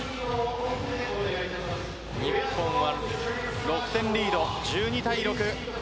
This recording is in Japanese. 日本は６点リード１２対６。